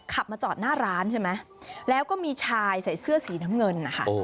ขับมาจอดหน้าร้านใช่ไหมแล้วก็มีชายใส่เสื้อสีน้ำเงินนะคะ